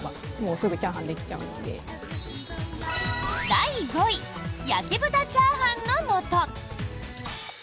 第５位焼豚チャーハンの素。